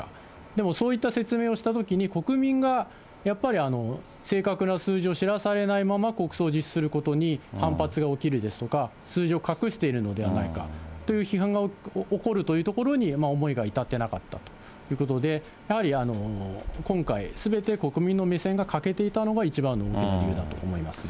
でもそういった説明をしたときに、国民がやっぱり、正確な数字を知らされないまま国葬を実施することに反発が起きるですとか、数字を隠しているのではないのかという批判が起こるというところに、思いが至っていなかったということで、やはり今回、すべて国民の目線が欠けていたのが一番の大きな理由だと思います